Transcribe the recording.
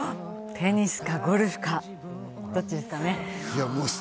テニスか、ゴルフか、どっちですかね？